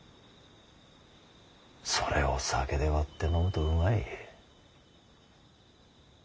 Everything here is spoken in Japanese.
それを酒で割って飲むとうまい。